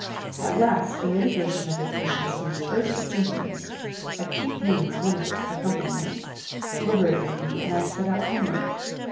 At last a mitigation of the patient's most urgent symptoms (acute pain is one of its accompaniments) liberated me, and I set out homeward.